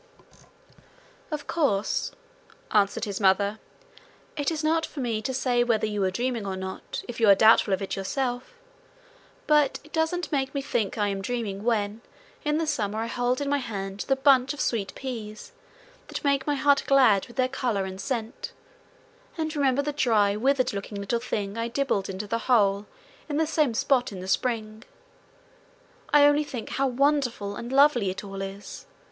'Of course,' answered his mother, 'it is not for me to say whether you were dreaming or not if you are doubtful of it yourself; but it doesn't make me think I am dreaming when in the summer I hold in my hand the bunch of sweet peas that make my heart glad with their colour and scent, and remember the dry, withered looking little thing I dibbled into the hole in the same spot in the spring. I only think how wonderful and lovely it all is.